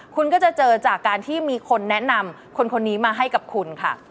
คุณก็จะเจอจากการที่มีคนแนะนำคนนี้มาให้กับคุณค่ะ